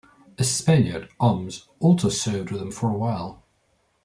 A Spaniard, Oms, also served with them for a while.